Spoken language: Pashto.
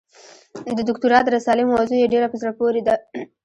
د دوکتورا د رسالې موضوع یې ډېره په زړه پورې ده.